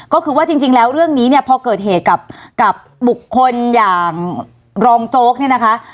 ก็คือว่าจริงแล้วเรื่องนี้เนี่ยพอเกิดเหตุกับบุคคลอย่างรองโจ๊กเนี่ยนะคะ